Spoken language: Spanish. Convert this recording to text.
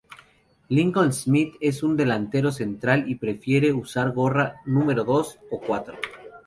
Lincoln-Smith es una delantero central y prefiere usar gorra número dos o cuatro.